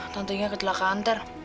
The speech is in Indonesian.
tante inga ketulah kanter